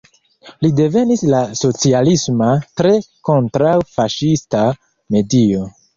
Li devenis de socialisma, tre kontraŭ-faŝista medio.